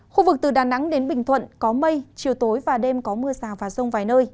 khu vực từ đà nẵng đến bình thuận có mây chiều tối và đêm có mưa rào và rông vài nơi